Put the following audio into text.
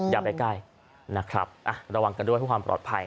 อย่าไปใกล้นะครับระวังกันด้วยเพื่อความปลอดภัย